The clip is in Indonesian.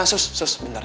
sus sus bentar